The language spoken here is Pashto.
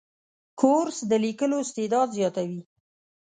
کورس د لیکلو استعداد زیاتوي.